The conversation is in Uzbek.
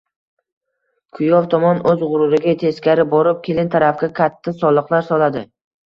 Kuyov tomon o‘z g‘ururiga teskari borib, kelin tarafga katta soliqlar soladi.